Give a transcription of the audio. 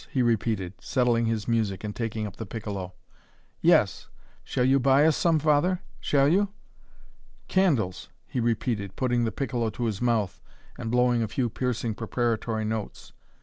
he repeated, settling his music and taking up the piccolo. "Yes shall you buy us some, Father? Shall you?" "Candles!" he repeated, putting the piccolo to his mouth and blowing a few piercing, preparatory notes.